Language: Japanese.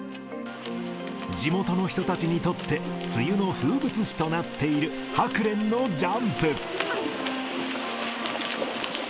地元の人たちにとって、梅雨の風物詩となっているハクレンのジャンプ。